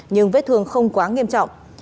nhưng vết thương không quá nghiêm trọng